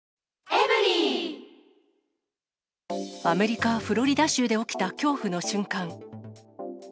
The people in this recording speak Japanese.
アメリカ・フロリダ州で起きた恐怖の瞬間。